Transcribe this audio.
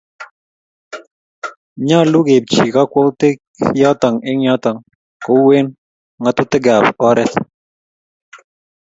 Nyolu keipchi kokwoutiik yotok eng yotok kou eng ng'atutiikab oreet.